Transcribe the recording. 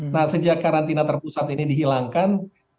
nah sejak karantina terpusat ini dihilangkan